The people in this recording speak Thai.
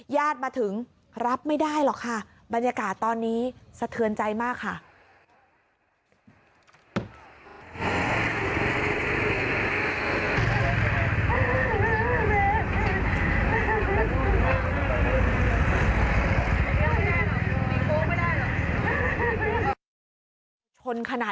ญาติมาถึงรับไม่ได้หรอกค่ะบรรยากาศตอนนี้สะเทือนใจมากค่ะ